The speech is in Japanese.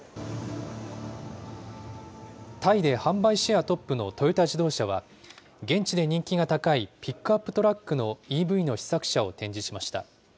タイで販売シェアトップのトヨタ自動車は、現地で人気が高いピックアップトラックのＥＶの試作車を展示しました。